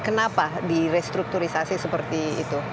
kenapa di restrukturisasi seperti itu